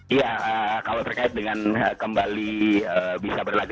iya kalau terkait dengan kembali bisa berlagak